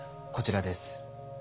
こちらです。